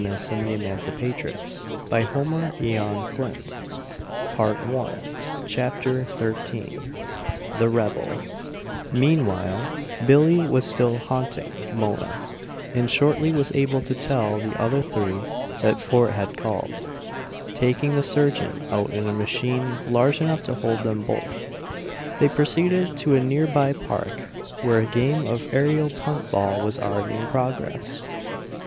Until peace is declared, my word" he paused ominously "is the sole and only lawl" XIII THE REBEL Meanwhile Billie was still "haunting" Mona, and shortly was able to tell the other three that Fort had called, taking the surgeon out in a machine large enough to hold them both. They proceeded to a near by park, where a game of aerial punt ball was already in progress.